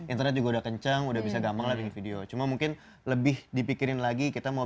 internet juga udah kencang udah bisa gampang lagi video cuma mungkin lebih dipikirin lagi kita mau